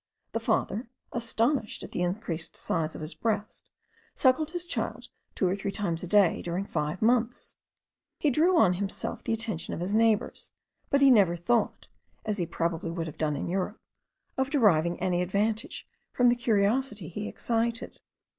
The father, astonished at the increased size of his breast, suckled his child two or three times a day during five months. He drew on himself the attention of his neighbours, but he never thought, as he probably would have done in Europe, of deriving any advantage from the curiosity he excited.